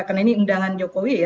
karena ini undangan jokowi ya